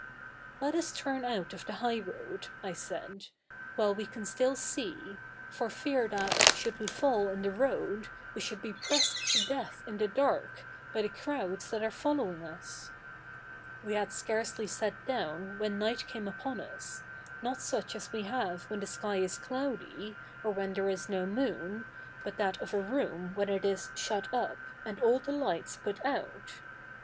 'Let us turn out of the high road,' I said, 'while we can still see, for fear that, should we fall in the road, we should be pressed to death in the dark, by the crowds that are following us.' We had scarcely sat down when night came upon us, not such as we have when the sky is cloudy, or when there is no moon, but that of a room when it is shut up, and all the lights put out.